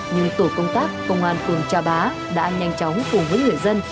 nhưng tổ công tác công an phường trà bá đã nhanh chóng cùng với người dân